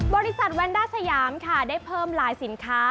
บริษัทแวนด้าสยามค่ะได้เพิ่มลายสินค้า